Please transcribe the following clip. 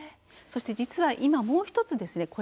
そして実は今、もう１つですね